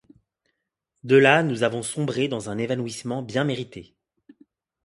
De là nous avons sombré dans un évanouissement bien mérité.